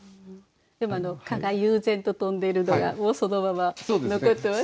でも蚊が悠然と飛んでいるのがもうそのまま残ってます。